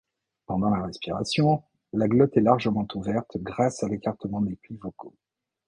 Pendant la respiration, la glotte est largement ouverte grâce à l'écartement des plis vocaux.